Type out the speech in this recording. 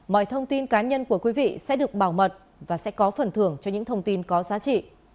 mọi thông tin cá nhân của quý vị sẽ được bảo mật và sẽ có phần thưởng cho những thông tin có giá trị